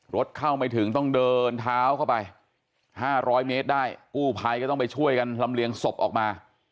รถเข้าไม่ถึงต้องเดินเท้าเข้าไป๕๐๐เมตรได้กู้ภัยก็ต้องไปช่วยกันลำเลียงศพออกมา